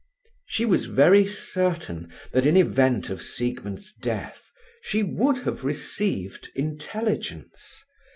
She was very certain that in event of Siegmund's death, she would have received intelligence.